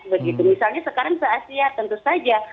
begitu misalnya sekarang ke asia tentu saja